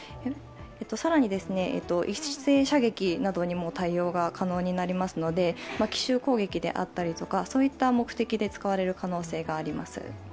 更に、一斉射撃などにも対応が可能になりますので、奇襲攻撃であったりとかそういった目的で使われる可能性があります。